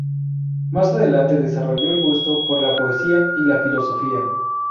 Más adelante desarrolló el gusto por la poesía y la filosofía.